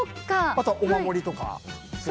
あとはお守りとか。